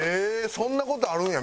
そんな事あるんや。